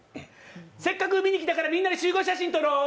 せっかく海に来たから、みんなで集合写真撮ろう。